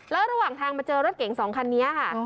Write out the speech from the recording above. แล้วระหว่างทางมาเจอรถเก๋ง๒คันนี้ค่ะ